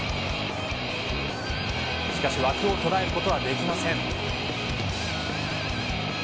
しかし、枠を捉えることはできません。